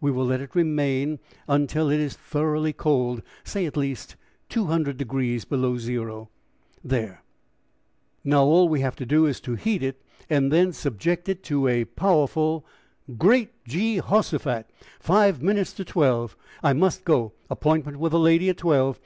We will let it remain until it is thoroughly cold, say, at least 200° below zero; there now all we have to do is to heat it and then subject it to a powerful Great Gee Hosiphat! Five minutes to twelve! I must go appointment with a lady at twelve.